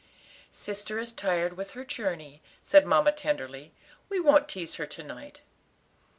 "Sister is tired with her journey," said mamma tenderly; "we won't tease her to night."